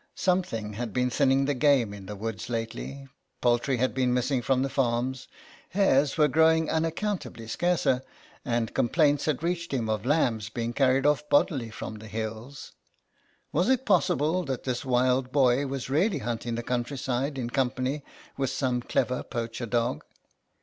Something had been thinning the game in the woods lately, poultry had been missing from the farms, hares were growing unaccount ably scarcer, and complaints had reached him of lambs being carried off bodily from the hills. Was it possible that this wild boy was really hunting the countryside in company with some clever poacher dog?